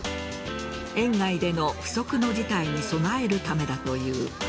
園外での不測の事態に備えるためだという。